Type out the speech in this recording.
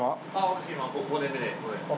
私今５年目でございます。